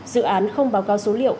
dự án không báo cáo số liệu